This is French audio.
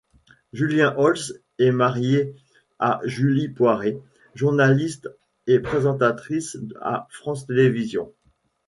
Julien Holtz et marié à Julie Poirier, journaliste et présentatrice à France Télévisions.